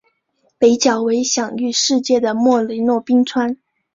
北角为享誉世界的莫雷诺冰川。